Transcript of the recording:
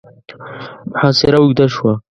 محاصره اوږده شوه.